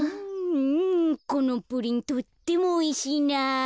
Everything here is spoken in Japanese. うんこのプリンとってもおいしいな。